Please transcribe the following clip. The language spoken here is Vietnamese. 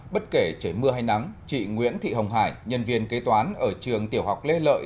bất kể trời mưa hay nắng chị nguyễn thị hồng hải nhân viên kế toán ở trường tiểu học lê lợi